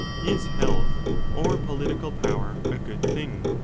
Is health, or political power, a good thing